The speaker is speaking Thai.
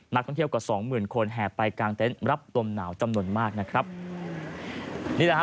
นักท่องเที่ยวกว่าสองหมื่นคนแห่ไปกลางเต็นต์รับลมหนาวจำนวนมากนะครับนี่แหละฮะ